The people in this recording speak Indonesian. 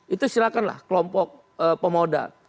itu silakanlah kelompok pemodal